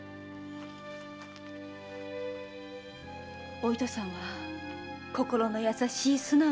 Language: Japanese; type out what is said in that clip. お糸さんは心の優しい素直な人だった。